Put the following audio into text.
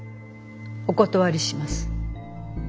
お断りします。